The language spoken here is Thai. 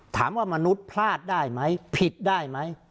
ถามว่ามนุษย์พลาดได้ไหมผิดได้ไหม